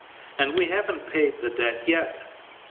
And we haven't paid the debt yet.